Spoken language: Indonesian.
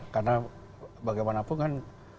karena bagaimanapun kan